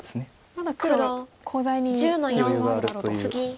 まだ黒コウ材に余裕があるだろうと。